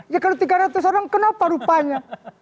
ya kalau tiga ratus orang kenapa rupanya